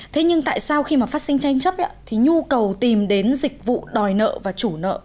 thế nhưng tại sao khi mà phát sinh tranh chấp thì nhu cầu tìm đến dịch vụ đòi nợ và chủ nợ